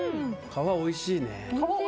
皮、おいしいね。